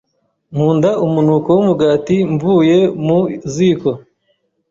Nkunda umunuko wumugati mvuye mu ziko.